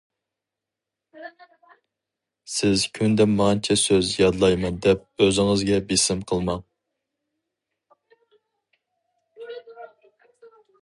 سىز كۈندە مانچە سۆز يادلايمەن دەپ ئۆزىڭىزگە بېسىم قىلماڭ.